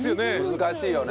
難しいよね。